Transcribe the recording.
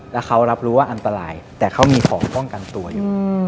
แล้วเขารับรู้ว่าอันตรายแต่เขามีของป้องกันตัวอยู่